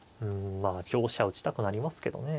まあ香車打ちたくなりますけどね。